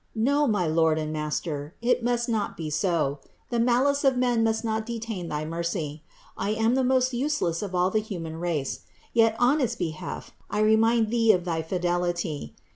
No, my Lord and Master, it must not be so; the malice of men must not detain thy mercy. I am the most useless of all the human race; yet on its behalf I remind Thee of thy fidelity.